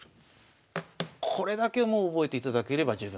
これだけもう覚えていただければ十分。